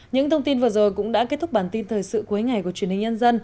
những thông tin vừa rồi cũng đã kết thúc bản tin thời sự cuối ngày của truyền hình